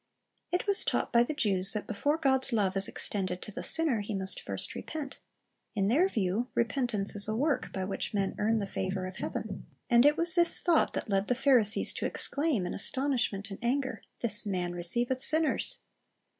It was taught by the Jews that before God's lov^e is extended to the sinner, he must first repent. In their view, repentance is a work by which men earn the favor of heaven. And it was this thought that led the Pharisees to exclaim in astonishment and anger, "This man receiveth sinners."